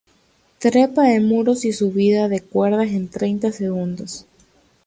Trepa de muros y subida de cuerdas en treinta segundos.